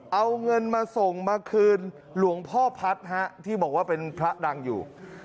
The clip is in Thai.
เอาเงินมาส่งมาคืนหลวงพ่อพัฒน์ที่บอกว่าเป็นพระดังอยู่